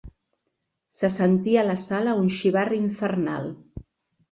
Se sentia a la sala un xivarri infernal.